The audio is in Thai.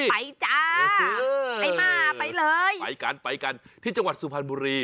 จ้าไปมาไปเลยไปกันไปกันที่จังหวัดสุพรรณบุรี